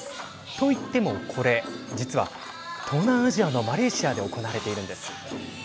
といっても、これ実は、東南アジアのマレーシアで行われているんです。